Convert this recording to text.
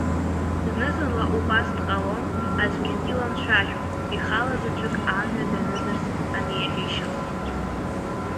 Зны-зынла убас дҟалон, аӡәгьы диламцәажәо, ихала заҵәык амҩа данызарц анеиӷьишьоз.